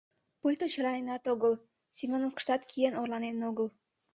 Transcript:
Пуйто черланенат огыл, Семеновкыштат киен орланен огыл.